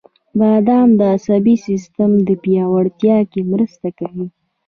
• بادام د عصبي سیستم پیاوړتیا کې مرسته کوي.